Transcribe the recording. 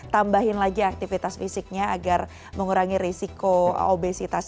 tambahin lagi aktivitas fisiknya agar mengurangi risiko obesitas